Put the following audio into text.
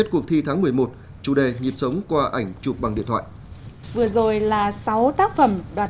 của thành viên giám khảo của chúng tôi với tác phẩm đó